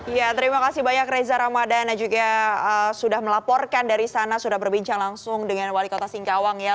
ya terima kasih banyak reza ramadana juga sudah melaporkan dari sana sudah berbincang langsung dengan wali kota singkawang ya